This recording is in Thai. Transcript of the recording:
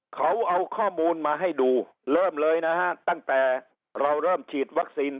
เขาเอาข้อมูลมาให้ดูเริ่มเลยนะฮะตั้งแต่เราเริ่มฉีดวัคซีน